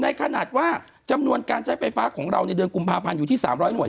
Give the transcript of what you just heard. ขนาดว่าจำนวนการใช้ไฟฟ้าของเราในเดือนกุมภาพันธ์อยู่ที่๓๐๐หน่วย